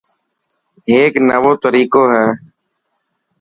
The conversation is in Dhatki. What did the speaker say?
هيڪ نيوو تريقو هي.